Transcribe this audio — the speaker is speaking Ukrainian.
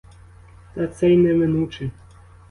Та це й неминуче.